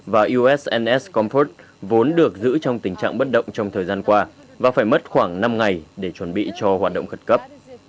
các tàu bệnh viện nổi của hải quân mỹ là usns mercy và usns comfort vốn được giữ trong tình trạng bất động trong thời gian qua và phải mất khoảng năm ngày để chuẩn bị cho hoạt động khẩn cấp